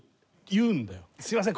「すいません